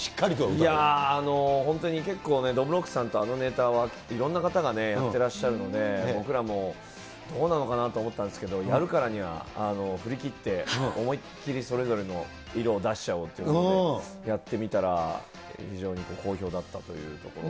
いやぁ、本当に結構、どぶろっくさんとあのネタは、いろんな方がやってらっしゃるので、僕らも、どうなのかなと思ったんですけど、やるからには、振り切って、思いっ切りそれぞれの色を出しちゃおうということでやってみたら、非常に好評だったというところで。